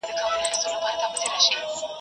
سپورټي سیالۍ خلک راجذبوي